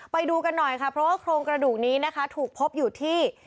ไปดูกันหน่อยค่ะเพราะว่าโครงกระดูกนี้นะคะถูกพบอยู่ที่